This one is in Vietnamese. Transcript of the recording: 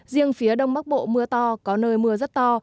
riêng phía đông bắc bộ mưa to có nơi mưa rất to